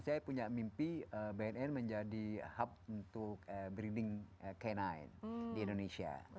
saya punya mimpi bnn menjadi hub untuk breeding canine di indonesia